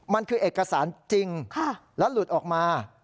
มันคือเอกสารจริงแล้วหลุดออกมา